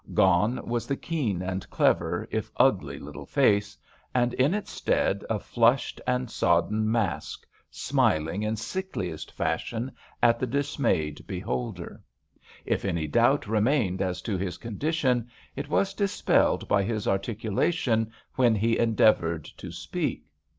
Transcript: Gone was the keen and clever, if ugly, little face, and in its stead a flushed and sodden mask, smiling in sickliest fashion at the dismayed beholder. If any doubt remained as to his condition, it was dis pelled by his articulation when he endeavoured to speak.